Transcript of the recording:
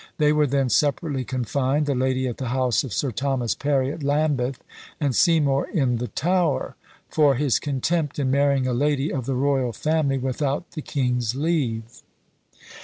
They were then separately confined, the lady at the house of Sir Thomas Parry at Lambeth, and Seymour in the Tower, for "his contempt in marrying a lady of the royal family without the king's leave."